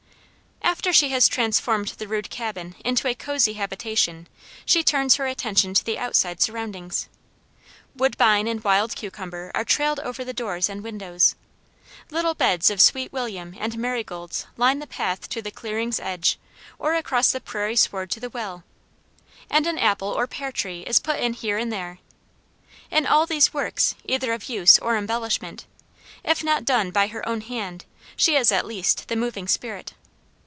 After she has transformed the rude cabin into a cozy habitation, she turns her attention to the outside surroundings. Woodbine and wild cucumber are trailed over the doors and windows; little beds of sweet williams and marigolds line the path to the clearing's edge or across the prairie sward to the well; and an apple or pear tree is put in here and there. In all these works, either of use or embellishment, if not done by her own hand she is at least the moving spirit.